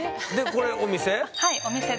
でこれお店？